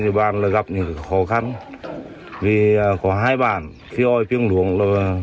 về bàn là gặp những khó khăn vì có hai bản khi oi phiêng luồng là